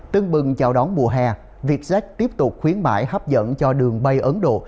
tương bừng chào đón mùa hè vietjet tiếp tục khuyến mãi hấp dẫn cho đường bay ấn độ